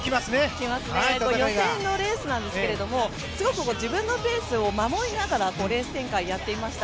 予選のレースですが自分のペースを守りながらレース展開をやっていました。